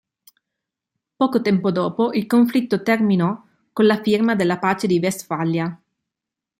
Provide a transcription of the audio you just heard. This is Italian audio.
Poco tempo dopo il conflitto terminò con la firma della Pace di Vestfalia.